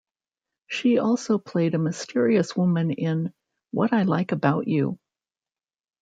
She also played a mysterious woman in "What I Like About You".